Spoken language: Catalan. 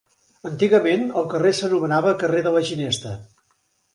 Antigament el carrer s'anomenava carrer de la Ginesta.